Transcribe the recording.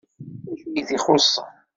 D acu i t-ixuṣṣen?